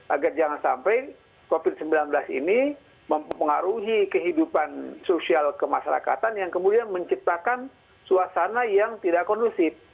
agar jangan sampai covid sembilan belas ini mempengaruhi kehidupan sosial kemasyarakatan yang kemudian menciptakan suasana yang tidak kondusif